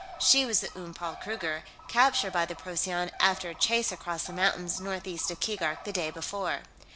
She was the Oom Paul Kruger, captured by the Procyon after a chase across the mountains northeast of Keegark the day before.